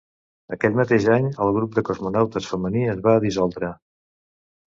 Aquell mateix any, el grup de cosmonautes femení es va dissoldre.